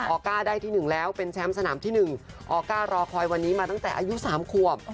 ออก้าได้ที่๑แล้วเป็นแชมป์สนามที่๑ออก้ารอคอยวันนี้มาตั้งแต่อายุ๓ขวบ